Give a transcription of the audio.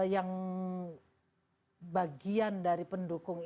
yang bagian dari pendukung